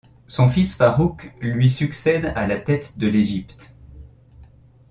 Son fils Farouk lui succède à la tête de l'Égypte.